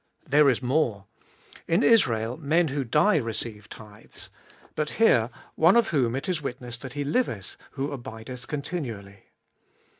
There is more ; in Israel men who die receive tithes ; but here one of whom it is witnessed that He liveth, who abideth continually.